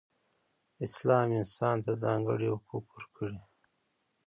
اسلام انسان ته ځانګړې حقوق ورکړئ.